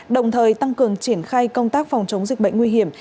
đồng thời tăng cường triển khai công tác phòng chống dịch bệnh nguy hiểm